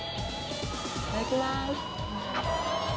いただきます。